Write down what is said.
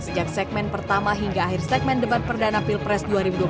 sejak segmen pertama hingga akhir segmen debat perdana pilpres dua ribu dua puluh empat